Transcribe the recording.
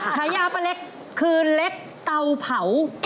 ฉายาป้าเล็กคือเล็กเตาเผา